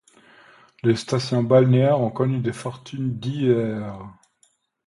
Les stations balnéaires ont connu des fortunes diverses.